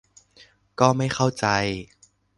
ก็ไม่เข้าใจ